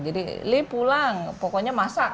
jadi lili pulang pokoknya masak